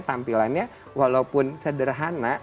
tampilannya walaupun sederhana